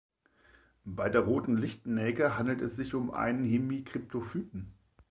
Bei der Roten Lichtnelke handelt es sich um einen Hemikryptophyten.